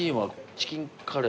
チキンカレー。